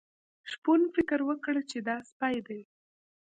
شپون فکر وکړ چې دا سپی دی.